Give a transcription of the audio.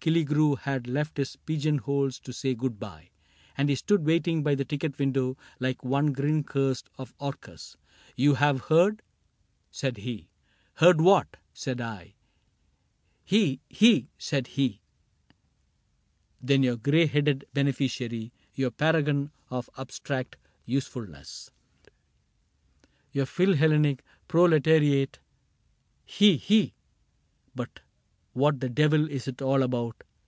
Killigrew Had left his pigeonholes to say good by. And he stood waiting by the ticket window Like one grin cursed of Orcus. — "You have heard ?" Said he. —" Heard what ?" said I. —" He ! he !" said he ;" Then your gray headed beneficiary — Your paragon of abstract usefulness — 1 6 CAPTAIN CRAIG Your philhellenic proletariat — He ! he !"—" But what the devil is it all About